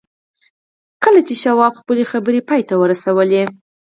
کله چې شواب خپلې خبرې پای ته ورسولې.